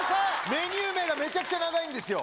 メニュー名がめちゃくちゃ長いんですよ。